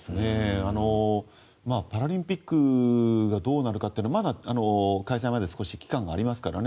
パラリンピックがどうなるかというのはまだ開催まで少し期間がありますからね。